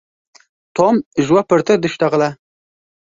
Tom ji we pirtir dişitexile.